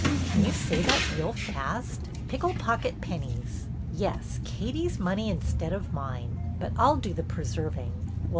Can you say that real fast? Pickle pocket pennies. Yes, Katie's money instead of mine ; but I 'll do the preserving.